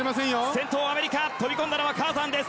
先頭、アメリカ飛び込んだのはカーザンです。